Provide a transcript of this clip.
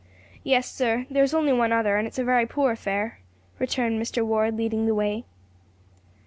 "Yes, sir, there's only one other, and it's a very poor affair," returned Mr. Ward, leading the way.